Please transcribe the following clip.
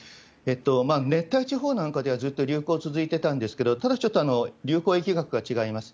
熱帯地方なんかでは、ずっと流行続いてたんですけれども、ただちょっと、流行疫学が違います。